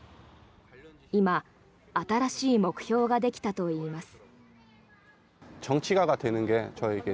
今、新しい目標ができたといいます。